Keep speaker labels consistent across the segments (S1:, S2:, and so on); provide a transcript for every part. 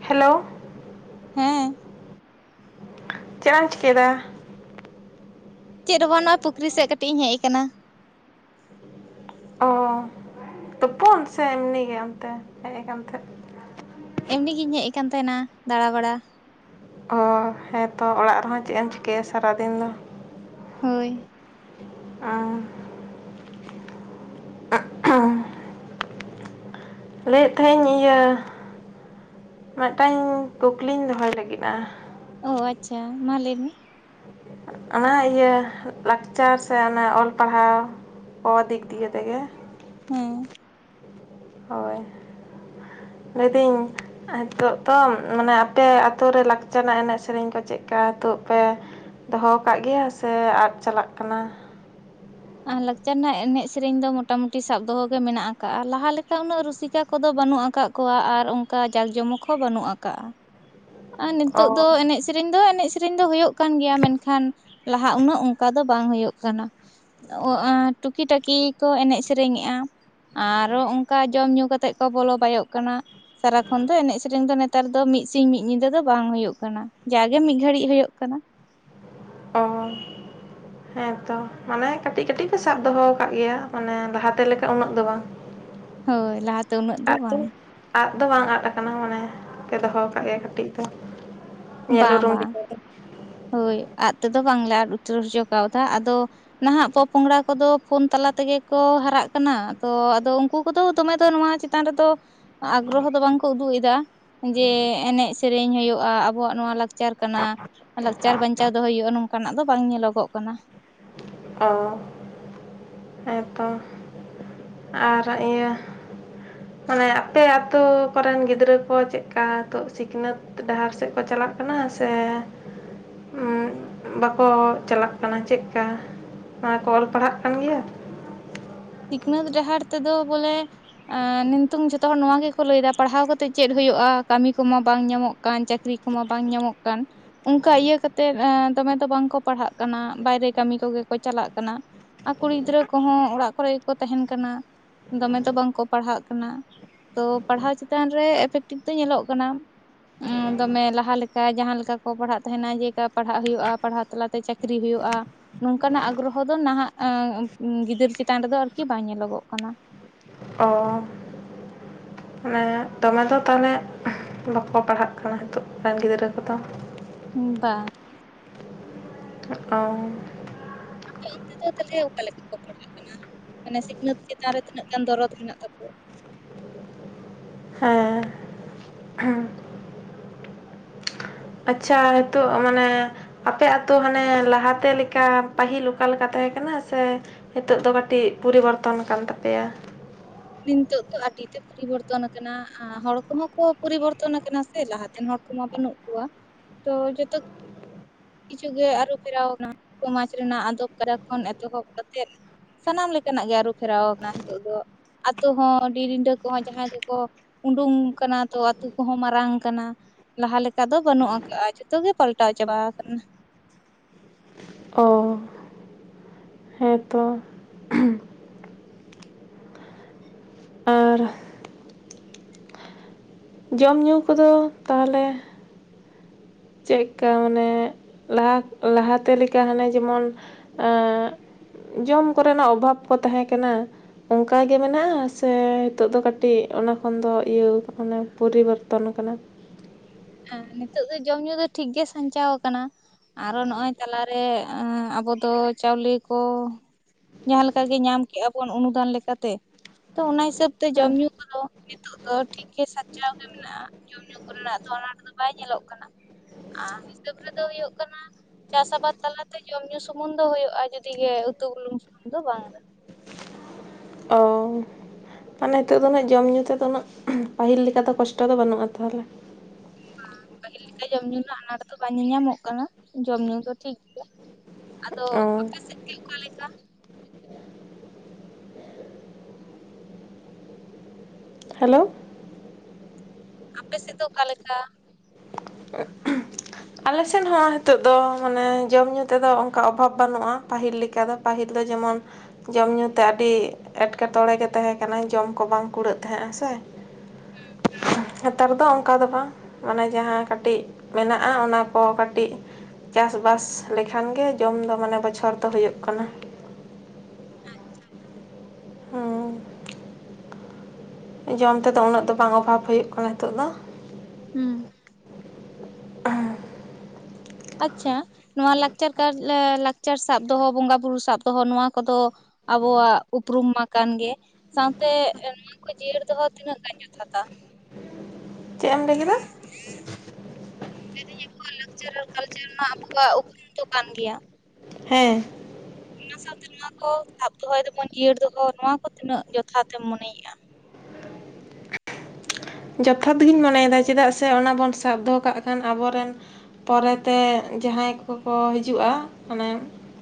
S1: Hello
S2: ᱦᱮᱸ
S1: ᱪᱮᱫ ᱮᱢ ᱪᱤᱠᱟᱹᱭᱮᱫᱟ
S2: ᱪᱮᱫ ᱦᱚᱸ ᱵᱟᱝ ᱱᱟ ᱯᱩᱠᱷᱨᱤ ᱥᱮᱫ ᱠᱟᱹᱴᱤᱡ ᱤᱧ ᱦᱮᱡ ᱟᱠᱟᱱᱟ
S1: ᱚ ᱛᱩᱯᱩᱱ ᱥᱮ ᱮᱢᱱᱤ ᱜᱮ ᱚᱱᱛᱮ ᱦᱮᱡ ᱠᱟᱱ ᱛᱟᱦᱮᱸ
S2: ᱮᱢᱱᱤ ᱜᱤᱧ ᱦᱮᱡ ᱟᱠᱟᱱ ᱛᱮᱦᱮᱱᱟ ᱫᱟᱬᱟ ᱵᱟᱲᱟ
S1: ᱚ ᱦᱮᱸ ᱛᱚ ᱚᱲᱟᱜ ᱨᱮᱦᱚᱸ ᱪᱮᱫ ᱮᱢ ᱪᱤᱠᱟᱹᱭᱟ ᱥᱟᱨᱟ ᱫᱤᱱ ᱫᱚ
S2: ᱦᱳᱭ
S1: [unintelligible] ᱞᱟᱹᱭ ᱮᱫ ᱛᱟᱦᱮᱫ ᱤᱧ ᱤᱭᱟᱹ ᱢᱤᱫ ᱴᱟᱝ ᱠᱩᱠᱞᱤᱧ ᱫᱚᱦᱚᱭ ᱞᱟᱹᱜᱤᱫᱼᱟ
S2: ᱚ ᱟᱪᱪᱷᱟ ᱢᱟ ᱞᱟᱹᱭ ᱢᱮ
S1: ᱚᱱᱟ ᱤᱭᱟᱹ ᱞᱟᱠᱪᱟᱨ ᱥᱮ ᱚᱱᱟ ᱚᱞ ᱯᱟᱲᱦᱟᱣ ᱠᱚ ᱫᱤᱠ ᱫᱤᱭᱮ ᱛᱮᱜᱮ ᱾
S2: ᱦᱩᱸ
S1: ᱦᱳᱭ ᱞᱟᱹᱭ ᱫᱟᱹᱧ ᱱᱤᱛᱚᱜ ᱫᱚ ᱢᱟᱱᱮ ᱟᱯᱮ ᱟᱹᱛᱳ ᱨᱮ ᱞᱟᱠᱪᱟᱨ ᱨᱮᱱᱟᱜ ᱮᱱᱮᱡ ᱥᱮᱨᱮᱧ ᱠᱚ ᱪᱮᱫᱞᱮᱠᱟ ᱫᱚᱦᱚ ᱟᱠᱟᱫ ᱜᱮᱭᱟ ᱥᱮ ᱟᱫ ᱪᱟᱞᱟᱜ ᱠᱟᱱᱟ ᱾
S2: ᱟᱨ ᱞᱟᱠᱪᱟᱨ ᱨᱮᱱᱟᱜ ᱮᱱᱮᱡ ᱥᱮᱨᱮᱧ ᱫᱚ ᱢᱚᱴᱟ ᱢᱩᱴᱤ ᱥᱟᱵ ᱫᱚᱦᱚᱜ ᱜᱮ ᱢᱮᱱᱟᱜ ᱟᱠᱟᱜᱼᱟ ᱞᱟᱦᱟ ᱞᱮᱠᱟ ᱩᱱᱟᱹᱜ ᱨᱩᱥᱤᱠᱟ ᱠᱚᱫᱚ ᱵᱟᱹᱱᱩᱜ ᱟᱠᱟᱜ ᱠᱚᱣᱟ ᱟᱨ ᱚᱱᱠᱟ ᱡᱟᱠ ᱡᱚᱢᱚᱠ ᱦᱚᱸ ᱵᱟᱹᱱᱩᱜ ᱟᱠᱟᱜᱼᱟ ᱾ ᱟᱨ
S1: ᱚ
S2: ᱱᱤᱛᱚᱜᱜ ᱫᱚ ᱮᱱᱮᱡ ᱥᱮᱨᱮᱧ ᱫᱚ ᱮᱱᱮᱡ ᱥᱮᱨᱮᱧ ᱫᱚ ᱦᱳᱭᱳᱜ ᱠᱟᱱ ᱜᱮᱭᱟ ᱢᱮᱱᱠᱷᱟᱱ ᱞᱟᱦᱟ ᱩᱱᱟᱹᱜ ᱚᱱᱠᱟ ᱫᱚ ᱵᱟᱝ ᱦᱳᱭᱳᱜ ᱠᱟᱱᱟ ᱾ ᱴᱩᱠᱤ ᱴᱟᱠᱤ ᱠᱚ ᱮᱱᱮᱡ ᱥᱮᱨᱮᱧᱮᱜᱼᱟ ᱾ ᱟᱨᱚ ᱚᱱᱠᱟ ᱡᱚᱢ ᱧᱩ ᱠᱟᱛᱮᱜ ᱠᱚ ᱵᱚᱞᱚ ᱵᱟᱭᱚᱜ ᱠᱟᱱᱟ ᱾ ᱥᱟᱨᱟ ᱠᱷᱚᱱ ᱫᱚ ᱮᱱᱮᱡ ᱥᱮᱨᱮᱧ ᱫᱚ ᱱᱮᱛᱟᱨ ᱫᱚ ᱢᱤᱫ ᱥᱤᱝ ᱢᱤᱫ ᱧᱤᱫᱟᱹ ᱫᱚ ᱵᱟᱝ ᱦᱳᱭᱳᱜ ᱠᱟᱱᱟ ᱡᱟᱜᱮ ᱢᱤᱫ ᱜᱷᱟᱹᱲᱤᱡ ᱦᱳᱭᱳᱜ ᱠᱟᱱᱟ ᱾
S1: [unintelligible] ᱦᱮᱸᱛᱚ ᱢᱟᱱᱮ ᱠᱟᱹᱴᱤᱡ ᱠᱟᱹᱴᱤᱡ ᱯᱮ ᱥᱟᱵ ᱫᱚᱦᱚ ᱟᱠᱟᱜ ᱜᱮᱭᱟ ᱢᱟᱱᱮ ᱞᱟᱦᱟ ᱛᱮ ᱞᱮᱠᱟ ᱩᱱᱟᱹᱜ ᱫᱚ ᱵᱟᱝ ᱾ [inaudible]
S2: ᱦᱳᱭ ᱞᱟᱦᱟ ᱛᱮ ᱩᱱᱟᱹᱜ ᱫᱚ ᱵᱟᱝ ᱾
S1: ᱟᱫ ᱫᱚ ᱵᱟᱝ ᱟᱫ ᱟᱠᱟᱱᱟ ᱢᱟᱱᱮ ᱯᱮ ᱫᱚᱦᱚ ᱟᱠᱟᱫ ᱜᱮᱭᱟ ᱠᱟᱹᱴᱤᱡ ᱫᱚ ᱾
S2: ᱵᱟᱝ ᱵᱟᱝ ᱦᱳᱭ ᱟᱫ ᱛᱮᱫᱚ ᱵᱟᱝᱞᱮ ᱟᱫ ᱩᱛᱟᱹᱨ ᱦᱚᱪᱚ ᱠᱟᱣᱫᱟ ᱟᱫᱚ ᱱᱟᱦᱟᱜ ᱯᱚᱼᱯᱚᱝᱲᱟ ᱠᱚᱫᱚ ᱯᱷᱳᱱ ᱛᱟᱞᱟ ᱛᱮᱜᱮ ᱠᱚ ᱦᱟᱨᱟᱜ ᱠᱟᱱᱟ ᱛᱚ ᱟᱫᱚ ᱩᱱᱠᱩ ᱠᱚᱫᱚ ᱫᱚᱢᱮ ᱫᱚ ᱱᱚᱶᱟ ᱾ ᱪᱮᱛᱟᱱ ᱨᱮᱫᱚ ᱟᱜᱽᱨᱚᱦᱚ ᱫᱚ ᱵᱟᱝ ᱠᱚ ᱩᱫᱩᱜ ᱮᱫᱟ ᱡᱮ ᱮᱱᱮᱡ ᱥᱮᱨᱮᱧ ᱦᱳᱭᱳᱜᱼᱟ ᱾ ᱟᱵᱚᱣᱟᱜ ᱱᱚᱣᱟ ᱞᱟᱠᱪᱟᱨ ᱠᱟᱱᱟ ᱞᱟᱠᱪᱟᱨ ᱵᱟᱧᱪᱟᱣ ᱫᱚᱦᱚᱭ ᱦᱩᱭᱩᱜᱼᱟ ᱱᱚᱝᱠᱟᱱᱟᱜ ᱫᱚ ᱵᱟᱝ ᱧᱮᱞᱚᱜᱼᱚᱜ ᱠᱟᱱᱟ ᱾
S1: ᱚ ᱦᱮᱸ ᱛᱚ ᱟᱨ ᱤᱭᱟᱹ [inaudible] ᱢᱟᱱᱮ ᱟᱯᱮ ᱟᱛᱳ ᱠᱚ ᱨᱮᱱ ᱜᱤᱫᱽᱨᱟᱹ ᱠᱚ ᱪᱮᱫ ᱞᱮᱠᱟ ᱱᱤᱛᱚᱜ ᱥᱤᱠᱷᱱᱟᱹᱛ ᱰᱟᱦᱟᱨ ᱥᱮᱫ ᱠᱚ ᱪᱟᱞᱟᱜ ᱠᱟᱱᱟ ᱾ ᱠᱟᱱᱟ ᱥᱮ ᱵᱟᱠᱚ ᱪᱟᱞᱟᱜ ᱠᱟᱱᱟ ᱪᱮᱫᱠᱟ ᱾ ᱠᱚ ᱚᱞ ᱯᱟᱲᱦᱟᱜ ᱠᱟᱱ ᱜᱮᱭᱟ ᱾
S2: ᱥᱤᱠᱷᱱᱟᱹᱛ ᱰᱟᱦᱟᱨ ᱛᱮᱫᱚ ᱵᱚᱞᱮ ᱱᱤᱛᱚᱝ ᱡᱷᱚᱛᱚ ᱦᱚᱲ ᱱᱚᱣᱟ ᱜᱮᱠᱚ ᱞᱟᱹᱭ ᱫᱟ ᱯᱟᱲᱦᱟᱣ ᱠᱟᱛᱮᱫ ᱪᱮᱫ ᱦᱳᱭᱳᱜᱼᱟ ᱠᱟᱹᱢᱤ ᱠᱚᱢᱟ ᱵᱟᱝ ᱧᱟᱢᱚᱜ ᱠᱟᱱ ᱪᱟᱹᱠᱨᱤ ᱾ ᱠᱚᱢᱟ ᱵᱟᱝ ᱧᱟᱢᱚᱜ ᱠᱟᱱ ᱚᱝᱠᱟ ᱤᱭᱟᱹ ᱠᱟᱛᱮᱜ ᱫᱚᱢᱮ ᱫᱚ ᱵᱟᱝᱠᱚ ᱯᱟᱲᱦᱟᱜ ᱠᱟᱱᱟ ᱵᱟᱭᱨᱮ ᱠᱟᱹᱢᱤ ᱠᱚᱜᱮ ᱠᱚ ᱪᱟᱞᱟᱜ ᱠᱟᱱᱟ ᱾ ᱟᱨ ᱠᱩᱲᱤ ᱜᱤᱫᱽᱨᱟᱹ ᱠᱚᱦᱚᱸ ᱚᱲᱟᱜ ᱠᱚᱨᱮ ᱜᱮᱠᱚ ᱛᱟᱦᱮᱱ ᱠᱟᱱᱟ ᱫᱚᱢᱮ ᱫᱚᱚ ᱵᱟᱝᱠᱚ ᱯᱟᱲᱦᱟᱜ ᱠᱟᱱᱟ ᱾ ᱛᱚ ᱯᱟᱲᱦᱟᱣ ᱪᱮᱛᱟᱱ ᱨᱮ ᱫᱚ ᱧᱮᱞᱚᱜ ᱠᱟᱱᱟ ᱾ ᱫᱚᱢᱮ ᱞᱟᱦᱟ ᱞᱮᱠᱟ ᱡᱟᱦᱟᱸ ᱞᱮᱠᱟ ᱠᱚ ᱯᱟᱲᱦᱟᱜ ᱛᱟᱦᱮᱱᱟ ᱡᱮᱞᱮᱠᱟ ᱯᱟᱲᱦᱟᱜ ᱦᱳᱭᱳᱜᱼᱟ ᱯᱟᱲᱦᱟᱣ ᱛᱟᱞᱟ ᱛᱮ ᱦᱳᱭᱳᱜᱼᱟ ᱱᱚᱝᱠᱟᱱᱟᱜ ᱟᱜᱽᱨᱚᱦᱚ ᱫᱚ ᱱᱟᱦᱟᱜ ᱜᱤᱫᱟᱹᱨ ᱪᱮᱛᱟᱱ ᱨᱮᱫᱚ ᱟᱨᱠᱤ ᱵᱟᱝ ᱧᱮᱞᱚᱜᱚᱜ ᱠᱟᱱᱟ ᱾
S1: ᱚ ᱢᱟᱱᱮ ᱫᱚᱢᱮ ᱫᱚ ᱛᱟᱦᱞᱮ ᱵᱟᱠᱚ ᱯᱟᱲᱦᱟᱜ ᱠᱟᱱᱟ ᱱᱤᱛᱚᱜ ᱨᱮᱱ ᱜᱤᱫᱽᱨᱟᱹ ᱠᱚᱫᱚ ᱾
S2: ᱵᱟᱝ
S1: ᱚ
S2: ᱚᱱᱛᱮ ᱫᱚ ᱛᱟᱦᱞᱮ ᱚᱠᱟ ᱞᱮᱠᱟ ᱠᱚ ᱯᱟᱲᱦᱟᱜ ᱠᱟᱱᱟ ᱢᱟᱱᱮ ᱥᱤᱠᱷᱱᱟᱹᱛ ᱪᱮᱛᱟᱱ ᱨᱮ ᱛᱤᱱᱟᱹᱜ ᱜᱟᱱ ᱫᱚᱨᱚᱫ ᱢᱮᱱᱟᱜ ᱛᱟᱠᱚᱣᱟ ᱾
S1: ᱦᱮᱸ ᱟᱪᱪᱷᱟ ᱱᱤᱛᱚᱜ ᱢᱟᱱᱮ ᱟᱯᱮ ᱟᱛᱳ ᱦᱟᱱᱮ ᱞᱟᱦᱟ ᱛᱮ ᱞᱮᱠᱟ ᱯᱟᱹᱦᱤᱞ ᱚᱠᱟ ᱞᱮᱠᱟ ᱛᱟᱦᱮᱸ ᱠᱟᱱᱟ ᱥᱮ ᱱᱤᱛᱚᱜ ᱫᱚ ᱠᱟᱹᱴᱤᱡ ᱯᱚᱨᱤᱵᱚᱨᱛᱚᱱ ᱠᱟᱱ ᱛᱟᱯᱮᱭᱟ ᱾
S2: ᱱᱤᱛᱚᱜ ᱫᱚ ᱟᱹᱰᱤ ᱛᱮ ᱯᱚᱨᱤᱵᱚᱨᱛᱚᱱ ᱟᱠᱟᱱᱟ ᱦᱚᱲ ᱠᱚᱦᱚᱸ ᱠᱚ ᱯᱚᱨᱤᱵᱚᱨᱛᱚᱱ ᱠᱟᱱᱟ ᱥᱮ ᱞᱟᱦᱟᱛᱮᱱ ᱦᱚᱲ ᱠᱚᱢᱟ ᱵᱟᱹᱱᱩᱜ ᱾ ᱛᱚ ᱡᱚᱛᱚ ᱠᱤᱪᱷᱩ ᱜᱮ ᱟᱹᱨᱩ ᱯᱷᱮᱨᱟᱣᱱᱟ ᱥᱚᱢᱟᱡᱽ ᱨᱮᱱᱟᱜ ᱟᱫᱚᱵ ᱠᱟᱨᱠ ᱠᱷᱚᱱ ᱮᱛᱚᱦᱚᱵ ᱠᱟᱛᱮᱫ ᱥᱟᱱᱟᱢ ᱞᱮᱠᱟᱱᱟᱜ ᱜᱮ ᱟᱹᱨᱩ ᱯᱷᱮᱨᱟᱣ ᱠᱟᱱᱟ ᱱᱤᱛᱚᱜ ᱫᱚ ᱟᱛᱳ ᱦᱚᱸ ᱰᱤ ᱨᱤᱸᱰᱟᱹ ᱠᱚᱦᱚᱸ ᱡᱟᱦᱟᱸᱭ ᱫᱚᱠᱚ ᱾ ᱩᱰᱩᱝ ᱠᱟᱱᱟ ᱛᱚ ᱟᱛᱳ ᱠᱚᱦᱚᱸ ᱢᱟᱨᱟᱝ ᱠᱟᱱᱟ ᱾ ᱞᱟᱦᱟ ᱞᱮᱠᱟ ᱫᱚ ᱵᱟᱹᱱᱩᱜ ᱠᱟᱜᱼᱟ ᱡᱷᱚᱛᱚ ᱜᱮ ᱯᱟᱞᱴᱟᱣ ᱪᱟᱵᱟ ᱠᱟᱱᱟ ᱾
S1: ᱚ ᱾ ᱦᱮᱸ ᱛᱚ ᱾ ᱟᱨ ᱡᱚᱢ ᱧᱩ ᱠᱚᱫᱚ ᱛᱟᱦᱚᱞᱮ? ᱪᱮᱫᱠᱟ ᱢᱟᱱᱮ ᱞᱟᱦᱟ ᱞᱟᱦᱟᱛᱮ ᱞᱮᱠᱟ ᱦᱟᱱᱮ ᱡᱮᱢᱚᱱ ᱮᱸᱻ ᱡᱚᱢ ᱠᱚᱨᱮᱱᱟᱜ ᱚᱵᱷᱟᱵᱽ ᱠᱚ ᱛᱟᱦᱮᱸ ᱠᱟᱱᱟ ᱾ ᱚᱱᱠᱟᱜᱮ ᱢᱮᱱᱟᱜᱼᱟ ᱥᱮ ᱱᱤᱛᱚᱜ ᱫᱚ ᱠᱟᱹᱴᱤᱡ ᱚᱱᱟ ᱠᱷᱚᱱ ᱫᱚ ᱤᱭᱟᱹ ᱢᱟᱱᱮ ᱯᱚᱨᱤᱵᱚᱨᱛᱚᱱ ᱠᱟᱱᱟ ᱾
S2: ᱦᱮᱸ ᱱᱤᱛᱚᱜ ᱫᱚ ᱡᱚᱢ ᱧᱩ ᱫᱚ ᱴᱷᱤᱠ ᱜᱮ ᱥᱟᱧᱪᱟᱣ ᱠᱟᱱᱟ ᱾ ᱟᱨᱚ ᱱᱚᱜᱼᱚᱭ ᱛᱟᱞᱟᱨᱮ ᱟᱵᱚ ᱫᱚ ᱪᱟᱣᱞᱮ ᱠᱚ ᱡᱟᱦᱟᱸ ᱞᱮᱠᱟᱜᱮ ᱧᱟᱢ ᱠᱮᱜᱼᱟ ᱵᱚᱱ ᱚᱱᱩᱫᱟᱱ ᱞᱮᱠᱟᱛᱮ ᱛᱚ ᱚᱱᱟ ᱦᱤᱥᱟᱹᱵ ᱛᱮ ᱡᱚᱢ ᱧᱩ ᱠᱚᱫᱚ ᱱᱤᱛᱚᱜ ᱫᱚ ᱴᱷᱤᱠ ᱜᱮ ᱥᱟᱧᱪᱟᱣ ᱜᱮ ᱢᱮᱱᱟᱜᱼᱟ ᱡᱚᱢ ᱧᱩ ᱠᱚᱨᱮᱱᱟᱜ ᱫᱚ ᱟᱱᱟᱴ ᱫᱚ ᱵᱟᱭ ᱧᱮᱞᱚᱜ ᱠᱟᱱᱟ ᱾ ᱟᱨ ᱦᱤᱥᱟᱹᱵ ᱨᱮᱫᱚ ᱦᱩᱭᱩᱜ ᱠᱟᱱᱟ ᱾ ᱪᱟᱥ ᱟᱵᱟᱫᱽ ᱛᱟᱞᱟᱛᱮ ᱡᱚᱢ ᱧᱩ ᱥᱩᱢᱩᱱᱝ ᱫᱚ ᱦᱳᱭᱳᱼᱟ ᱡᱩᱫᱤ ᱜᱮ ᱩᱛᱩ ᱵᱩᱞᱝ ᱥᱩᱢᱩᱝ ᱫᱚ ᱵᱟᱝ ᱨᱮ ᱦᱚᱸ,
S1: ᱚ ᱢᱟᱱᱮ ᱱᱤᱛᱚᱜ ᱫᱚ ᱩᱱᱟᱹᱜ ᱡᱚᱢ-ᱧᱩ ᱛᱮᱫᱚ ᱩᱱᱟᱹᱜ ᱯᱟᱹᱦᱤᱞ ᱞᱮᱠᱟ ᱫᱚ ᱠᱚᱥᱴᱚ ᱫᱚ ᱵᱟᱹᱱᱩᱜᱼᱟ ᱛᱟᱦᱚᱞᱮ
S2: ᱵᱟᱝ ᱯᱟᱹᱦᱤᱞ ᱞᱮᱠᱟ ᱡᱚᱢ-ᱧᱩ ᱨᱮᱱᱟᱜ ᱟᱱᱟᱴ ᱫᱚ ᱵᱟᱝ ᱧᱮᱧᱟᱢᱚᱜ ᱠᱟᱱᱟ ᱡᱚᱢ-ᱧᱩ ᱫᱚ ᱴᱷᱤᱠ ᱜᱮᱭᱟ ᱾ ᱟᱫᱚ
S1: ᱚ
S2: ᱟᱯᱮ ᱥᱮᱫ ᱜᱮ ᱚᱠᱟᱞᱮᱠᱟ?
S1: ᱦᱮᱞᱳ ᱾
S2: ᱟᱯᱮ ᱥᱮᱫ ᱫᱚ ᱚᱠᱟᱮᱠᱟ?
S1: ᱟᱞᱮ ᱥᱮᱫ ᱦᱚᱸ ᱱᱤᱛᱚᱜ ᱫᱚ ᱢᱟᱱᱮ ᱡᱚᱢᱼᱧᱩ ᱛᱮᱫᱚ ᱚᱱᱠᱟ ᱚᱵᱷᱟᱵᱽ ᱵᱟᱹᱱᱩᱜᱼᱟ ᱯᱟᱹᱦᱤᱞ ᱞᱮᱠᱟ ᱫᱚ ᱯᱟᱹᱦᱤᱞ ᱫᱚ ᱡᱮᱢᱚᱱ ᱡᱚᱢ ᱧᱩᱛᱮ ᱟᱹᱰᱤ ᱮᱴᱠᱮᱴᱚᱬᱮ ᱜᱮ ᱛᱟᱦᱮᱸ ᱠᱟᱱᱟ ᱡᱚᱢ ᱠᱚ ᱵᱟᱝ ᱠᱩᱲᱟᱹᱜ ᱛᱟᱸᱦᱮᱜ ᱦᱮᱸ ᱥᱮ
S2: ᱦᱩᱸ ᱾
S1: ᱱᱮᱛᱟᱨ ᱫᱚ ᱚᱱᱠᱟ ᱫᱚ ᱵᱟᱝ ᱢᱟᱱᱮ ᱡᱟᱦᱟᱸ ᱠᱟᱹᱴᱤᱡ ᱢᱮᱱᱟᱜᱼᱟ ᱚᱱᱟ ᱠᱚ ᱠᱟᱹᱴᱤᱡ ᱪᱟᱥ ᱵᱟᱥ ᱞᱮᱠᱷᱟᱱ ᱜᱮ ᱡᱚᱢ ᱫᱚ ᱢᱟᱱᱮ ᱵᱚᱪᱷᱚᱨ ᱫᱚ ᱦᱳᱭᱳᱜ ᱠᱟᱱᱟ ᱾ ᱦᱩᱸ, ᱡᱚᱢ ᱛᱮᱫᱚ ᱩᱱᱟᱹᱜ ᱫᱚ ᱵᱟᱝ ᱚᱵᱷᱟᱵᱽ ᱦᱳᱭᱳᱜ ᱠᱟᱱᱟ ᱱᱤᱛᱚᱜ ᱫᱚ ᱾
S2: ᱦᱩᱸ ᱾ ᱟᱪᱪᱷᱟ ᱱᱚᱣᱟ ᱞᱟᱠᱪᱟᱨ ᱠᱟᱨ ᱞᱟᱠᱪᱟᱨ ᱥᱟᱵ ᱫᱚᱦᱚ ᱵᱚᱸᱜᱟ ᱵᱩᱨᱩ ᱥᱟᱵ ᱫᱚᱦᱚ ᱱᱚᱣᱟ ᱠᱚᱫᱚ ᱾ ᱟᱵᱚᱣᱟᱜ ᱩᱯᱨᱩᱢ ᱢᱟ ᱠᱟᱱᱜᱮ ᱾ ᱥᱟᱶᱛᱮ ᱱᱩᱠᱩ ᱡᱤᱭᱟᱹᱲ ᱫᱚᱦᱚ ᱛᱤᱱᱟᱹᱜ ᱜᱟᱱ ᱡᱚᱛᱷᱟᱛᱟ
S1: ᱪᱮᱫ ᱮᱢ ᱞᱟᱹᱭ ᱠᱮᱫᱟ?
S2: ᱞᱟᱹᱭ ᱫᱟᱹᱧ ᱟᱵᱚᱣᱟᱜ ᱞᱟᱠᱪᱟᱨ ᱟᱨ ᱠᱟᱞᱪᱟᱨ ᱢᱟ ᱟᱵᱚᱠᱚᱣᱟᱜ ᱩᱯᱨᱩᱢ ᱫᱚ ᱠᱟᱱ ᱜᱮᱭᱟ ᱾
S1: ᱦᱮᱸ ᱾
S2: ᱚᱱᱟ ᱥᱟᱶᱛᱮ ᱱᱚᱣᱟ ᱠᱚ ᱥᱟᱵ ᱫᱚᱦᱚᱭ ᱫᱟᱵᱚᱱ ᱡᱤᱭᱟᱹᱲ ᱫᱚᱦᱚ ᱱᱚᱣᱟ ᱠᱚ ᱛᱤᱱᱟᱹᱜ ᱡᱚᱛᱷᱟᱛ ᱛᱮᱢ ᱢᱚᱱᱮᱭᱮᱜᱼᱟ?
S1: ᱡᱚᱛᱷᱟᱛ ᱜᱤᱧ ᱢᱚᱱᱮᱭᱮᱫᱟ ᱪᱮᱫᱟᱜ ᱥᱮ ᱚᱱᱟ ᱵᱚᱱ ᱥᱟᱵ ᱫᱚᱦᱚ ᱠᱟᱜ ᱠᱷᱟᱱ ᱟᱵᱚ ᱨᱮᱱ ᱯᱚᱨᱮᱛᱮ ᱡᱟᱦᱟᱸᱭ ᱠᱚᱠᱚ ᱦᱤᱡᱩᱜᱼᱟ ᱢᱟᱱᱮ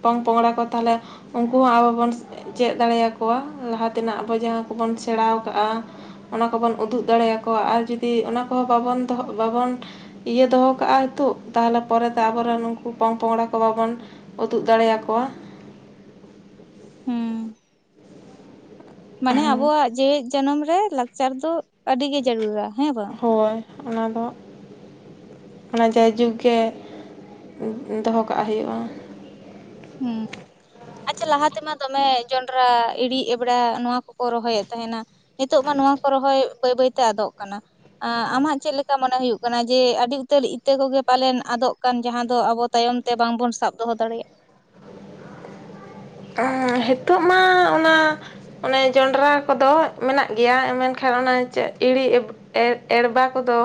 S1: ᱯᱚᱝ ᱯᱚᱝᱲᱟ ᱠᱚ ᱛᱟᱦᱚᱞᱮ ᱩᱱᱠᱩ ᱦᱚᱸ ᱟᱵᱚᱵᱚᱱ ᱪᱮᱫ ᱫᱟᱲᱮᱭᱟᱠᱚᱣᱟ ᱞᱟᱦᱟ ᱛᱮᱱᱟᱜ ᱟᱵᱚ ᱡᱟᱦᱟᱸ ᱠᱚᱵᱚᱱ ᱥᱮᱬᱟᱣ ᱠᱟᱜᱼᱟ ᱾ ᱚᱱᱟ ᱠᱚᱵᱚᱱ ᱩᱫᱩᱜ ᱫᱟᱲᱮᱭᱟᱠᱚᱣᱟ ᱟᱨ ᱡᱩᱫᱤ ᱚᱱᱟ ᱠᱚᱦᱚᱸ ᱵᱟᱵᱚᱱ ᱫᱚ ᱵᱟᱵᱚᱱ ᱤᱭᱟᱹ ᱫᱚᱦᱚ ᱠᱟᱜᱼᱟ ᱱᱤᱛᱚᱜ ᱛᱟᱦᱞᱮ ᱯᱚᱨᱮ ᱛᱮ ᱟᱵᱚ ᱨᱮᱱ ᱩᱱᱠᱩ ᱯᱚᱝᱼ ᱯᱚᱝᱲᱟ ᱠᱚ ᱵᱟᱵᱚᱱ ᱩᱫᱩᱜ ᱫᱟᱲᱮᱭ ᱟᱠᱚᱣᱟ ᱾
S2: ᱦᱩᱸ ᱾ ᱢᱟᱱᱮ ᱟᱵᱚᱣᱟᱜ ᱡᱮᱣᱮᱫ ᱡᱟᱱᱟᱢ ᱨᱮ ᱞᱟᱠᱪᱟᱨ ᱫᱚ ᱟᱹᱰᱤᱜᱤ ᱜᱮ ᱡᱟᱹᱨᱩᱲᱟ ᱾
S1: ᱦᱳᱭ ᱚᱱᱟᱫᱚ ᱚᱱᱟ ᱡᱟᱭᱡᱩᱜᱽ ᱜᱮ ᱫᱚᱦᱚ ᱠᱟᱜ ᱦᱳᱭᱳᱜᱼᱟ ᱾
S2: ᱦᱩᱸ ᱾ ᱟᱪᱪᱷᱟ ᱞᱟᱦᱟ ᱛᱮᱢᱟ ᱫᱚᱢᱮ ᱡᱚᱱᱰᱚᱨᱟ ᱤᱲᱤ ᱮᱵᱲᱟ ᱱᱚᱣᱟ ᱠᱚᱠᱚ ᱨᱚᱦᱚᱭᱮᱫ ᱛᱟᱦᱮᱱᱟ ᱾ ᱱᱤᱛᱚᱜ ᱢᱟ ᱱᱚᱣᱟ ᱠᱚ ᱨᱚᱦᱚᱭ ᱵᱟᱹᱭ ᱵᱟᱹᱭᱛᱮ ᱟᱫᱚᱜ ᱠᱟᱱᱟ ᱾ ᱟᱢᱟᱜ ᱪᱮᱫ ᱞᱮᱠᱟ ᱢᱚᱱᱮ ᱦᱩᱭᱩᱜ ᱠᱟᱱᱟ ᱡᱮ ᱟᱹᱰᱤ ᱩᱛᱟᱹᱨ ᱤᱛᱟᱹ ᱠᱚᱜᱮ ᱯᱟᱞᱮᱱ ᱟᱫᱚᱜ ᱠᱟᱱ ᱡᱟᱦᱟᱸ ᱫᱚ ᱟᱵᱚ, ᱛᱟᱭᱚᱢ ᱛᱮ ᱵᱟᱝ ᱵᱚᱱ ᱥᱟᱵ ᱫᱚᱦᱚ ᱫᱟᱲᱮᱭᱟᱜᱼᱟ ᱾
S1: ᱮᱸ ᱦᱤᱛᱚᱜ ᱢᱟ ᱚᱱᱟ ᱾ ᱚᱱᱮ ᱡᱚᱱᱰᱨᱟ ᱠᱚᱫᱚ ᱢᱮᱱᱟᱜ ᱜᱮᱭᱟ ᱢᱮᱱᱠᱷᱟᱱ ᱚᱱᱟ ᱤᱲᱤ ᱤᱵ ᱼᱼ ᱮ ᱮᱲᱵᱟ ᱠᱚᱫᱚ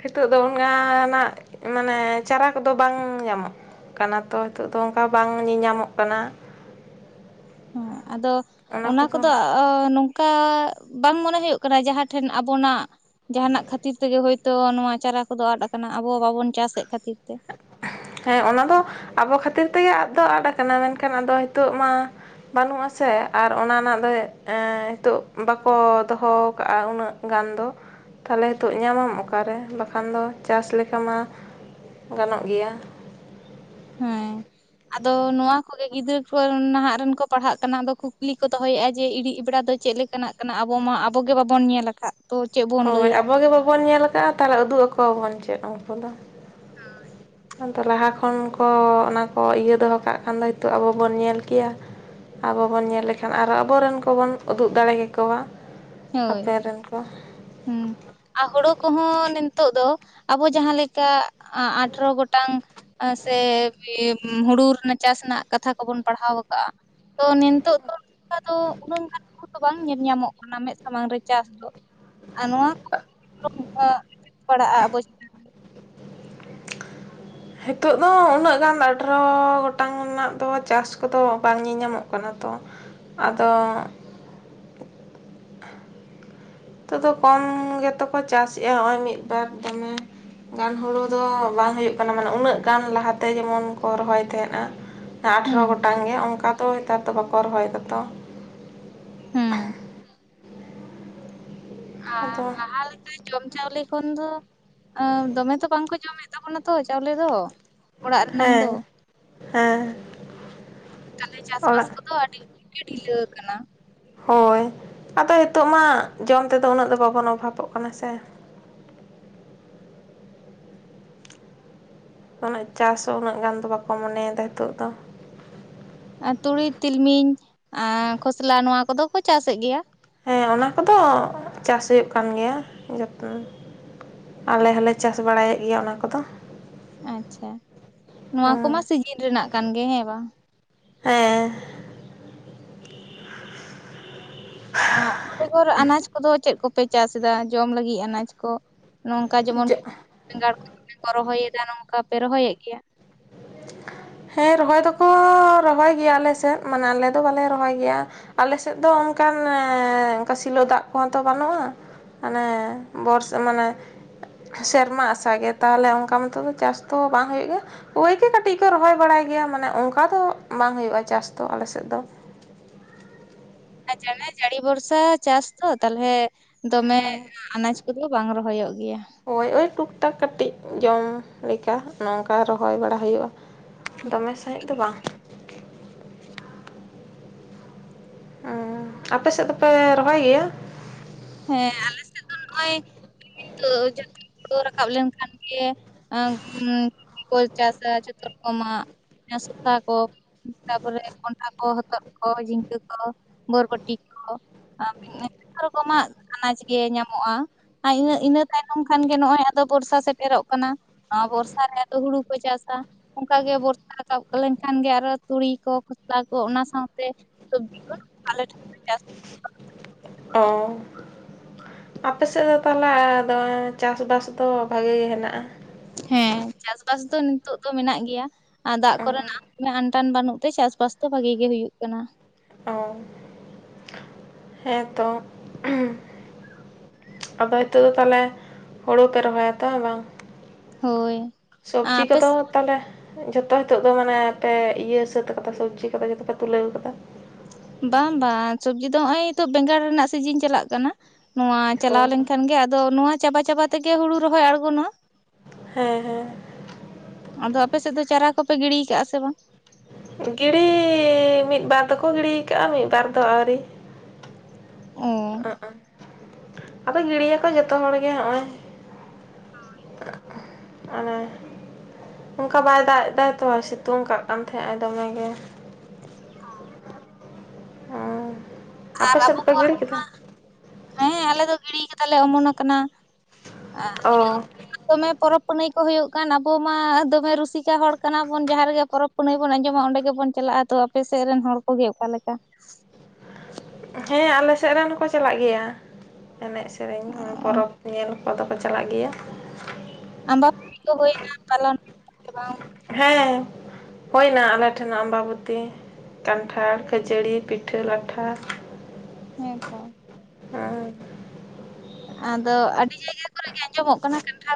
S1: ᱦᱤᱛᱚᱜ ᱫᱚ ᱚᱱᱜᱟᱱᱟᱜ ᱢᱟᱱᱮ ᱪᱟᱨᱟ ᱠᱚᱫᱚ ᱵᱟᱝ ᱧᱟᱢᱚᱜ ᱠᱟᱱᱟ ᱛᱚ ᱱᱤᱛᱚᱜ ᱫᱚ ᱚᱱᱠᱟ ᱵᱟᱝ ᱧᱮᱧᱟᱢᱚᱜ ᱠᱟᱱᱟ
S2: ᱦᱮ ᱟᱫᱚ ᱚᱱᱟ ᱠᱚᱫᱚ ᱱᱚᱝᱠᱟ ᱵᱟᱝ ᱢᱚᱱᱮ ᱦᱩᱭᱩᱜ ᱠᱟᱱᱟ ᱡᱟᱦᱟᱸ ᱴᱷᱮᱱ ᱟᱵᱚᱱᱟᱜ ᱡᱟᱦᱟᱱᱟᱜ ᱠᱷᱟᱹᱛᱤᱨ ᱛᱮᱜᱮ ᱦᱳᱭᱛᱚ ᱱᱚᱣᱟ ᱪᱟᱨᱟ ᱠᱚᱫᱚ ᱟᱫ ᱟᱠᱟᱱᱟ ᱟᱵᱚ ᱵᱟᱵᱚᱱ ᱪᱟᱥᱮᱫ ᱠᱷᱟᱹᱛᱤᱨ ᱛᱮ
S1: ᱦᱮᱸ ᱚᱱᱟᱫᱚ ᱟᱵᱚ ᱠᱷᱟᱹᱛᱤᱨ ᱛᱮᱜᱮ ᱟᱫ ᱫᱚ ᱟᱫ ᱠᱟᱱᱟ ᱢᱮᱱᱠᱷᱟᱱ ᱟᱫᱚ ᱦᱤᱛᱳᱜ ᱢᱟ᱾ ᱵᱟᱹᱱᱩᱜᱼᱟ ᱥᱮ ᱟᱨ ᱚᱱᱟ ᱨᱮᱱᱟᱜ ᱫᱚ ᱱᱤᱛᱚᱜ ᱵᱟᱠᱚ ᱫᱚᱦᱚ ᱠᱟᱜᱼᱟ ᱩᱱᱟᱹᱜ ᱜᱟᱱ ᱫᱚ ᱛᱟᱦᱚᱞᱮ ᱦᱤᱛᱚᱜ ᱧᱟᱢᱟᱢ ᱚᱠᱟᱨᱮ ᱵᱟᱠᱷᱟᱱ ᱫᱚ ᱪᱟᱥ ᱞᱮᱠᱟᱢᱟ ᱜᱟᱱᱚᱜ ᱜᱮᱭᱟ
S2: ᱦᱮᱸ ᱟᱫᱚ ᱱᱚᱣᱟ ᱠᱚᱜᱮ ᱜᱤᱫᱽᱨᱟᱹ ᱠᱚ ᱱᱟᱦᱟᱜ ᱨᱮᱱ ᱠᱚ ᱯᱟᱲᱦᱟᱜ ᱠᱟᱱᱟ ᱟᱫᱚ ᱠᱩᱠᱞᱤ ᱠᱚ ᱫᱚᱦᱚᱭᱮᱫᱼᱟ ᱡᱮ ᱤᱲᱤᱡ ᱵᱮᱲᱟ ᱫᱚ ᱪᱮᱫᱮ ᱞᱮᱠᱟ ᱪᱮᱠᱱᱟᱜ ᱠᱟᱱᱟ ᱟᱵᱚ ᱢᱟ ᱟᱵᱚᱜ ᱜᱮ ᱵᱟᱵᱚᱱ ᱧᱮᱞ ᱟᱠᱟᱫ ᱛᱚ ᱪᱮᱫ ᱵᱚᱱ
S1: ᱦᱳᱭ
S2: ᱞᱟᱹᱭᱟ
S1: ᱟᱵᱚᱜ ᱜᱮ ᱵᱟᱵᱚᱱ ᱧᱮᱞ ᱟᱠᱟᱟᱜᱼᱟ ᱛᱟᱦᱟᱞᱮ ᱩᱫᱩᱜ ᱟᱠᱚᱣᱟᱵᱚᱱ ᱪᱮᱫ ᱩᱱᱠᱩ ᱫᱚ ᱟᱫᱚ ᱞᱟᱦᱟ ᱠᱷᱚᱱ ᱠᱚ ᱚᱱᱟ ᱠᱚ ᱤᱭᱟᱹ ᱫᱚᱦᱚ ᱠᱟᱜ ᱠᱷᱟᱱ ᱫᱚ ᱦᱤᱛᱚᱜ ᱟᱵᱚ ᱵᱚᱱ ᱧᱮᱞ ᱠᱮᱭᱟ ᱟᱵᱚ ᱵᱚᱱ ᱧᱮᱞ ᱞᱮᱠᱷᱟᱱ ᱟᱨᱚ ᱟᱵᱚᱨᱮᱱ ᱠᱚᱵᱚᱱ ᱩᱫᱩᱜ ᱫᱟᱲᱮ ᱠᱮᱠᱚᱣᱟ
S2: ᱦᱳᱭ
S1: ᱦᱟᱯᱮᱱ ᱨᱮᱱ ᱠᱚ
S2: ᱦᱩᱸ ᱟᱨ ᱦᱳᱲᱳ ᱠᱚᱦᱚᱸ ᱱᱤᱛᱚᱜ ᱫᱚ ᱟᱵᱚ ᱡᱟᱦᱟᱸ ᱞᱮᱠᱟ ᱟᱴᱷᱨᱚ ᱜᱚᱴᱟᱝ ᱥᱮ ᱦᱩᱲᱩ ᱨᱮᱱᱟᱜ ᱪᱟᱥ ᱨᱮᱱᱟᱜ ᱠᱟᱛᱷᱟ ᱠᱚᱵᱚᱱ ᱯᱟᱲᱦᱟᱣ ᱟᱠᱟᱜᱼᱟ ᱛᱚ ᱱᱤᱛᱳ ᱫᱚ ᱩᱱᱠᱟ ᱫᱚ ᱩᱱᱟᱹᱜ ᱜᱟᱱ ᱠᱚᱫᱚ ᱵᱟᱝ ᱧᱮᱞ ᱧᱟᱢᱚᱜ ᱠᱟᱱᱟ ᱢᱮᱫ ᱥᱟᱢᱟᱝ ᱨᱮ ᱪᱟᱥ ᱫᱚ ᱟᱨ ᱱᱚᱣᱟ ᱠᱚ ᱯᱟᱲᱟᱜᱼᱟ ᱟᱵᱚ ᱪᱮᱛᱟᱱ ᱨᱮ
S1: ᱦᱤᱛᱚᱜ ᱫᱚ ᱩᱱᱟᱹᱜ ᱜᱟᱱ ᱟᱴᱨᱚ ᱜᱚᱴᱟᱝ ᱨᱮᱱᱟᱜ ᱫᱚ ᱪᱟᱥ ᱠᱚᱫᱚ ᱵᱟᱝ ᱧᱮᱧᱟᱢᱚᱜ ᱠᱟᱱᱟ ᱛᱚ ᱟᱫᱚ ᱱᱤᱛᱚᱜ ᱫᱚ ᱠᱚᱢ ᱜᱮᱛᱚ ᱠᱚ ᱪᱟᱥ ᱮᱼᱟ ᱱᱚᱜᱼᱚᱭ ᱢᱤᱫᱵᱟᱨ ᱫᱚᱢᱮ ᱜᱟᱱ ᱦᱩᱲᱩ ᱫᱚ ᱵᱟᱝ ᱦᱩᱭᱩᱜ ᱠᱟᱱᱟ ᱢᱟᱱᱮ ᱩᱱᱟᱹᱜ ᱜᱟᱱ ᱞᱟᱦᱟᱛᱮ ᱡᱮᱢᱚᱱ ᱠᱚ ᱨᱚᱦᱚᱭ ᱛᱟᱦᱮᱸᱫᱟ ᱟᱴᱷᱨᱚ
S2: ᱦᱩᱸ
S1: ᱜᱚᱴᱟᱝ ᱜᱮ ᱚᱱᱠᱟ ᱫᱚ ᱱᱮᱛᱟᱨ ᱫᱚ ᱵᱟᱠᱚ ᱨᱚᱦᱚᱭᱫᱟᱛᱚ
S2: ᱦᱩᱸ ᱟᱨ
S1: ᱟᱫᱚ
S2: ᱞᱟᱦᱟ ᱞᱮ ᱼᱼ ᱥᱮ ᱡᱚᱢ ᱪᱟᱣᱞᱮ ᱠᱷᱚᱱ ᱫᱚ ᱫᱚᱢᱮ ᱛᱚ ᱵᱟᱝᱠᱚ ᱡᱚᱢᱮᱫ ᱛᱟᱵᱚᱱᱟ ᱛᱚ ᱪᱟᱣᱞᱮ ᱫᱚ ᱚᱲᱟᱜ ᱨᱮᱱᱟᱝ ᱫᱚ
S1: ᱦᱮᱸ ᱦᱮᱸ
S2: ᱛᱟᱦᱞᱮ ᱪᱟᱥᱵᱟᱥ
S1: ᱚᱲᱟᱜ
S2: ᱠᱚᱫᱚ ᱟᱹᱰᱤ ᱜᱮ ᱰᱷᱤᱞᱟᱹ ᱟᱠᱟᱱᱟ
S1: ᱦᱳᱭ ᱟᱫᱚ ᱱᱤᱛᱳᱜ ᱢᱟ ᱡᱚᱢ ᱛᱮᱫᱚ ᱩᱱᱟᱹᱜ ᱫᱚ ᱵᱟᱵᱚᱱ ᱚᱵᱷᱟᱵᱚᱜ ᱠᱟᱱᱟ ᱥᱮ ᱩᱱᱟᱹᱜ ᱪᱟᱥ ᱦᱚᱸ ᱩᱱᱟᱹᱜ ᱜᱟᱱ ᱫᱚ ᱵᱟᱠᱚ ᱢᱚᱱᱮᱭᱮᱫᱟ ᱱᱤᱛᱚᱜ ᱫᱚ
S2: ᱛᱩᱲᱤ ᱛᱤᱞᱢᱤᱧ ᱟ ᱠᱷᱚᱥᱞᱟ ᱱᱚᱣᱟ ᱠᱚᱫᱚ ᱠᱚ ᱪᱟᱥᱮᱫ ᱜᱮᱭᱟ
S1: ᱦᱮᱸ ᱚᱱᱟ ᱠᱚᱫᱚ ᱪᱟᱥ ᱦᱩᱭᱩᱜ ᱠᱟᱱ ᱜᱮᱭᱟ ᱡᱚᱛᱚᱱ ᱟᱞᱮ ᱦᱚᱸᱞᱮ ᱪᱟᱥ ᱵᱟᱲᱟᱭᱮᱫ ᱜᱮᱭᱟ ᱚᱱᱟ ᱠᱚᱫᱚ
S2: ᱟᱪᱪᱷᱟ ᱱᱚᱣᱟ ᱠᱚᱢᱟ ᱥᱤᱡᱤᱱ ᱨᱮᱱᱟᱜ ᱠᱟᱱ ᱜᱮ ᱦᱮᱸ ᱵᱟᱝ
S1: ᱦᱮᱸ
S2: ᱟ ᱚᱱᱟ ᱵᱮᱜᱚᱨ ᱟᱱᱟᱡ ᱠᱚᱫᱚ ᱪᱮᱫ ᱠᱚᱯᱮ ᱪᱟᱥ ᱫᱟ ᱡᱚᱢ ᱞᱟᱹᱜᱤᱫ ᱟᱱᱟᱡ ᱠᱚ ᱱᱚᱝᱠᱟ ᱡᱮᱢᱚᱱ
S1: ᱪᱮᱫ
S2: ᱵᱮᱸᱜᱟᱲ ᱠᱚ ᱠᱩᱞᱤ ᱠᱚ ᱨᱚᱦᱚᱭᱮᱫᱟ ᱱᱚᱝᱠᱟᱯᱮ ᱨᱚᱦᱚᱭᱮᱫ ᱜᱮᱭᱟ
S1: ᱦᱮᱸ ᱨᱚᱦᱚᱭ ᱫᱚᱠᱚ ᱨᱚᱦᱚᱭ ᱜᱮᱭᱟ ᱟᱞᱮ ᱥᱮᱫ ᱢᱟᱱᱮ ᱟᱞᱮ ᱫᱚ ᱵᱟᱞᱮ ᱨᱚᱦᱚᱭ ᱜᱮᱭᱟ ᱟᱞᱮ ᱥᱮᱫ ᱫᱚ ᱚᱱᱠᱟᱱᱚᱱ ᱚᱝᱠᱟᱹ ᱥᱤᱞᱳ ᱫᱟᱜ ᱠᱚᱦᱚᱸ ᱛᱚ ᱵᱟᱹᱱᱩᱜᱼᱟ ᱟᱞᱮ ᱵᱚᱨᱚᱥ ᱢᱟᱱᱮ ᱥᱮᱨᱢᱟ ᱟᱥᱟ ᱜᱮ ᱛᱟᱦᱚᱞᱮ ᱚᱝᱠᱟ ᱢᱚᱛᱚ ᱫᱚ ᱪᱟᱥ ᱫᱚ ᱵᱟᱝ ᱦᱩᱭᱩᱜ ᱜᱮᱭᱟ? ᱳᱭ ᱜᱮ ᱠᱟᱹᱴᱤᱡ ᱠᱚ ᱨᱚᱦᱚᱭ ᱵᱟᱲᱟᱭ ᱜᱮᱭᱟ ᱢᱟᱱᱮ ᱚᱱᱠᱟ ᱫᱚ ᱵᱟᱝ ᱦᱩᱭᱩᱜᱼᱟ ᱪᱟᱥ ᱫᱚ ᱟᱞᱮᱥᱮᱫ ᱫᱚ᱾
S2: ᱡᱮᱱᱮ ᱡᱟᱹᱲᱤ ᱵᱚᱨᱥᱟ ᱪᱟᱥ ᱛᱚ ᱛᱟᱞᱦᱮ ᱫᱚᱢᱮ ᱟᱱᱟᱡ ᱠᱚᱫᱚ ᱵᱟᱝ ᱨᱚᱦᱚᱭᱚᱜ ᱜᱮᱭᱟ᱾
S1: ᱳᱭ ᱳᱭ ᱴᱩᱠ ᱴᱟᱠ ᱠᱟᱹᱴᱤᱡ ᱡᱚᱢ ᱞᱮᱠᱟ ᱱᱚᱝᱠᱟ ᱨᱚᱦᱚᱭ ᱵᱟᱲᱟ ᱦᱩᱭᱩᱜᱼᱟ᱾ ᱫᱚᱢᱮ ᱥᱟᱹᱦᱤᱡ ᱫᱚ ᱵᱟᱝ᱾ ᱚᱸ ᱟᱯᱮ ᱥᱮᱫ ᱫᱚᱯᱮ ᱨᱚᱦᱚᱭ ᱜᱮᱭᱟ?
S2: ᱦᱮᱸ ᱟᱞᱮ ᱥᱮᱫ ᱫᱚ ᱱᱚᱜᱼᱚᱭ ᱱᱤᱛᱚᱜ ᱡᱟᱹᱯᱤ ᱦᱩᱲᱳ ᱨᱟᱠᱟᱵ ᱞᱮᱱᱠᱷᱟᱱ ᱜᱮ [unintelligible] ᱠᱚᱭ ᱪᱟᱥᱟ ᱡᱷᱚᱛᱚ ᱨᱚᱠᱚᱢᱟᱜ᱾ ᱦᱮᱸᱥᱫᱟ ᱠᱚ ᱛᱟᱯᱚᱨᱮ ᱠᱚᱱᱰᱷᱟ ᱠᱚ ᱦᱚᱛᱚᱫ ᱠᱚ ᱡᱷᱤᱝᱜᱟᱹ ᱠᱚ ᱵᱚᱨᱵᱚᱴᱤ ᱠᱚ [unintelligible] ᱠᱚᱢᱟ ᱟᱱᱟᱡ ᱜᱮ ᱧᱟᱢᱚᱜᱼᱟ᱾ ᱟᱭ ᱤᱱᱟᱹ ᱤᱱᱟᱹ ᱛᱟᱭᱱᱚᱢ ᱠᱷᱟᱱ ᱜᱮ ᱱᱚᱜᱼᱚᱭ ᱟᱫᱚ ᱵᱚᱨᱥᱟ ᱥᱮᱴᱮᱨᱚᱜ ᱠᱟᱱᱟ᱾ ᱟ ᱵᱚᱨᱥᱟ ᱨᱮ ᱛᱚ ᱦᱩᱲᱩ ᱠᱚ ᱪᱟᱥᱟ᱾ ᱚᱱᱠᱟᱜᱮ ᱵᱚᱨᱥᱟ ᱨᱟᱠᱟᱵ ᱞᱮᱱᱠᱷᱟᱱ ᱜᱮ ᱟᱨᱚ ᱛᱩᱲᱤ ᱠᱚ ᱠᱷᱚᱥᱞᱟ ᱠᱚ ᱚᱱᱟ ᱥᱟᱶᱛᱮ ᱥᱚᱵᱡᱤ ᱠᱚ ᱱᱚᱝᱠᱟᱞᱮ
S1: ᱚ᱾ ᱟᱯᱮ ᱥᱮᱫ ᱫᱚ ᱛᱟᱦᱚᱞᱮ ᱫᱚ ᱪᱟᱥᱵᱟᱥ ᱫᱚ ᱵᱷᱟᱜᱮ ᱜᱮ ᱦᱮᱱᱟᱜᱼᱟ᱾
S2: ᱦᱮᱸ ᱪᱟᱥ ᱵᱟᱥ ᱫᱚ ᱱᱤᱛᱚᱜ ᱫᱚ ᱢᱮᱱᱟᱜ ᱜᱮᱭᱟ ᱟᱨ ᱫᱟᱜ ᱠᱚᱨᱮᱱᱟᱜ ᱟᱱ ᱴᱟᱱ ᱵᱟᱹᱱᱩᱜ ᱛᱮ ᱪᱟᱥᱵᱟᱥ ᱫᱚ ᱵᱷᱟᱹᱜᱤ ᱜᱮ ᱦᱩᱭᱩᱜ ᱠᱟᱱᱟ᱾
S1: ᱚ ᱦᱮᱸ ᱛᱚ᱾ ᱟᱯᱮ ᱟᱹᱛᱩ ᱫᱚ ᱛᱟᱦᱚᱞᱮ ᱦᱩᱲᱩ ᱯᱮ ᱨᱚᱦᱚᱭᱟ ᱛᱚ ᱵᱟᱝ?
S2: ᱦᱳᱭ
S1: ᱥᱚᱵᱡᱤ
S2: ᱟᱯᱮ
S1: ᱠᱚᱫᱚ ᱛᱟᱦᱚᱞᱮ ᱡᱷᱚᱛᱚ ᱦᱤᱛᱚᱜ ᱫᱚ ᱢᱟᱱᱮ ᱯᱮ ᱤᱭᱟᱹ ᱥᱟᱹᱛ ᱠᱟᱫᱟ ᱥᱚᱵᱽᱡᱤ ᱠᱚᱫᱟ ᱡᱚᱛᱚ ᱯᱮ ᱛᱩᱞᱟᱹᱣ ᱠᱟᱫᱟ?
S2: ᱵᱟᱝ ᱵᱟᱝ ᱥᱚᱵᱡᱤ ᱫᱚ ᱚᱭ ᱛᱚ ᱵᱮᱸᱜᱟᱲ ᱨᱮᱱᱟᱜ ᱥᱤᱡᱤᱱ ᱪᱟᱞᱟᱜ ᱠᱟᱱᱟ᱾ ᱱᱚᱣᱟ
S1: ᱚ
S2: ᱪᱟᱞᱟᱣ ᱞᱮᱱᱠᱷᱟᱱ ᱜᱮ ᱟᱫᱚ ᱱᱚᱣᱟ ᱪᱟᱵᱟ ᱪᱟᱵᱟ ᱛᱮᱜᱮ ᱦᱩᱲᱩ ᱨᱚᱦᱚᱭ ᱟᱬᱜᱚᱱᱟ᱾
S1: ᱦᱮᱸ ᱦᱮᱸ᱾
S2: ᱟᱫᱚ ᱟᱯᱮ ᱥᱮᱫ ᱫᱚ ᱪᱟᱨᱟ ᱠᱚᱯᱮ ᱜᱤᱲᱤᱭ ᱠᱟᱜᱼᱟ ᱥᱮ ᱵᱟᱝ?
S1: ᱜᱤᱲᱤ ᱢᱤᱫ ᱵᱟᱨ ᱫᱚᱠᱚ ᱜᱤᱲᱤᱭ ᱠᱟᱜᱼᱟ ᱢᱤᱫ ᱵᱟᱨ ᱫᱚ ᱟᱹᱣᱨᱤ᱾
S2: ᱚ
S1: ᱚᱸ ᱚᱸ, ᱟᱫᱚ ᱜᱤᱲᱤᱭᱟᱠᱚ ᱡᱚᱛᱚ ᱦᱚᱲ ᱜᱮ ᱚᱜ ᱚᱭ᱾ ᱚᱱᱮ᱾ ᱚᱝᱠᱟ ᱵᱟᱭ ᱫᱟᱜ ᱮᱫᱟᱭ ᱛᱚ ᱥᱤᱛᱩᱝ ᱠᱟᱜ ᱠᱟᱱ ᱛᱟᱦᱮᱸ ᱟᱭ ᱫᱚᱢᱮ ᱜᱮ᱾ ᱚ
S2: ᱟᱨ
S1: ᱟᱯᱮ ᱥᱮᱫ
S2: ᱟᱵᱚ
S1: ᱯᱮ
S2: ᱠᱚᱣᱟᱜ
S1: ᱜᱤᱲᱤ ᱠᱮᱫᱟ
S2: ᱢᱟ ᱦᱮᱸ ᱟᱞᱮ ᱫᱚ ᱜᱤᱲᱤᱭ ᱠᱟᱫᱟᱞᱮ ᱚᱢᱚᱱ ᱟᱠᱟᱱᱟ᱾ᱟᱨ ᱱᱤᱭᱟᱹ
S1: ᱚ
S2: ᱫᱚᱢᱮ ᱯᱚᱨᱚᱵ ᱯᱩᱱᱟᱹᱭ ᱠᱚ ᱦᱩᱭᱩᱜ ᱠᱟᱱ ᱟᱵᱚ ᱢᱟ ᱫᱚᱢᱮ ᱨᱩᱥᱤᱠᱟ ᱦᱚᱲ ᱠᱟᱱᱟ ᱵᱚᱱ ᱡᱟᱦᱟᱸ ᱨᱮᱜᱮ ᱯᱚᱨᱚᱵ ᱯᱟᱹᱱᱟᱭ ᱵᱚᱱ ᱟᱸᱡᱚᱢᱟ ᱚᱸᱰᱮ ᱜᱮᱵᱚᱱ ᱪᱟᱞᱟᱜᱼᱟ ᱛᱚ ᱟᱯᱮ ᱥᱮᱫ ᱨᱮᱱ ᱦᱚᱲ ᱠᱚᱜᱮ ᱚᱠᱟ ᱞᱮᱠᱟ?
S1: ᱦᱮᱸ ᱟᱞᱮ ᱥᱮᱫ ᱨᱮᱱ ᱦᱚᱸᱠᱚ ᱪᱟᱞᱟᱜ ᱜᱮᱭᱟ ᱮᱱᱮᱡ ᱥᱮᱨᱮᱧ ᱦᱚᱸ ᱯᱚᱨᱚᱵ ᱧᱮᱞ ᱠᱚᱫᱚ ᱠᱚ ᱪᱟᱞᱟᱜ ᱜᱮᱭᱟ᱾
S2: ᱟᱢᱵᱟ ᱵᱟᱹᱛᱤ ᱠᱚ ᱦᱩᱭᱱᱟ ᱯᱟᱞᱟᱱ ᱞᱮᱫᱟ ᱥᱮ ᱵᱟᱝ?
S1: ᱦᱮᱸ᱾ ᱦᱩᱭᱱᱟ ᱟᱞᱮ ᱴᱷᱮᱱ ᱟᱢᱵᱟᱵᱚᱛᱤ ᱠᱟᱱᱴᱷᱟᱲ ᱠᱷᱟᱹᱡᱟᱹᱲᱤ ᱯᱤᱴᱷᱟᱹ ᱞᱟᱴᱷᱟ
S2: ᱦᱮᱸ ᱛᱚ᱾
S1: ᱦᱩᱸ᱾
S2: ᱟᱫᱚ ᱟᱹᱰᱤ ᱡᱟᱭᱜᱟ ᱠᱚᱨᱮᱜᱮ ᱟᱸᱡᱚᱢᱚᱜ ᱠᱟᱱᱟ ᱠᱟᱱᱴᱷᱟᱲ